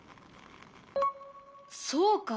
そうか。